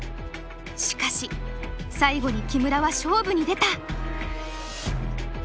しかし最後に木村は勝負に出た。